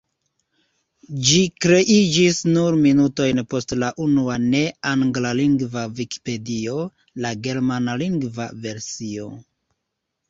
Ĝi kreiĝis nur minutojn post la unua ne-anglalingva vikipedio, la germanlingva versio.